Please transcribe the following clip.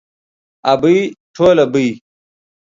ابۍ ټوله بۍ.